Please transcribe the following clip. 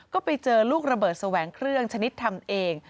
ก็ไปเจอลูกระเบิดแสวงเครื่องชนิดทำเอง